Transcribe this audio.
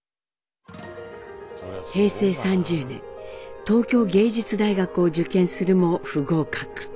平成３０年東京藝術大学を受験するも不合格。